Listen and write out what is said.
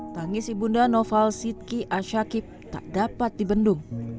tangis ibunda noval sidki asyakib tak dapat di bendung